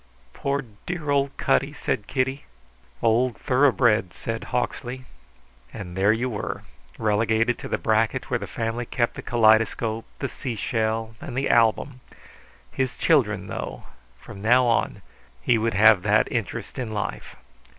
"Poor dear old Cutty!" said Kitty. "Old thoroughbred!" said Hawksley. And there you were, relegated to the bracket where the family kept the kaleidoscope, the sea shell, and the album. His children, though; from now on he would have that interest in life.